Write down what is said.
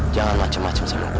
jangan macem macem sama gue